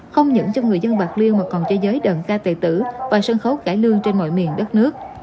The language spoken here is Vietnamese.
không những cho người dân bạc liêu mà còn cho giới đơn ca tài tử và sân khấu cải lương trên mọi miền đất nước